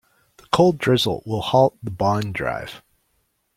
The cold drizzle will halt the bond drive.